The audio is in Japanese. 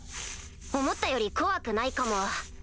思ったより怖くないかも。